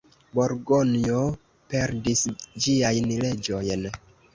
Burgonjo perdis ĝiajn leĝojn.